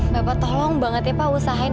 bapak tolong banget ya pak usahain